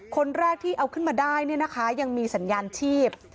คนแรกที่เอาขึ้นมาได้เนี่ยนะคะยังมีสัญญาณชีพ